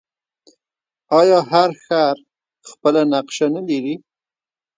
آیا هر ښار خپله نقشه نلري؟